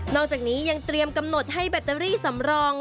อกจากนี้ยังเตรียมกำหนดให้แบตเตอรี่สำรอง